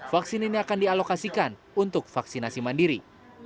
vaksin ini akan dialokasikan untuk vaksinasi mandiri